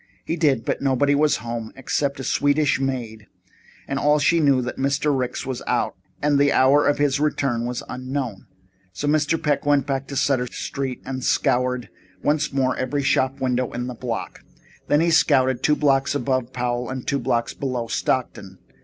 He did, but nobody was at home except a Swedish maid, and all she knew was that Mr. Ricks was out and the hour of his return was unknown. So Mr. Peck went back to Sutter Street and scoured once more every shop window in the block. Then he scouted two blocks above Powell and two blocks below Stockton.